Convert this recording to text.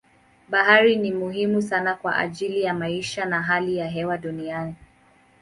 Bahari ni muhimu sana kwa ajili ya maisha na hali ya hewa duniani.